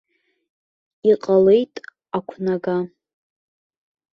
Иҟалеит ақәнага.